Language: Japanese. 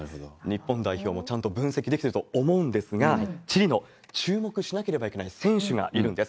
日本代表もちゃんと分析できてると思いますが、チリの注目しなければいけない選手がいるんです。